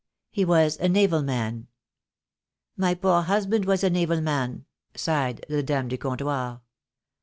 He was a naval man." "My poor husband was a naval man," sighed the dame du comptoir.